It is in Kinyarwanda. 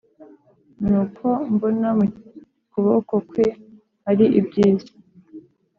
Nuko mbona mu kuboko kwe hari ibyiza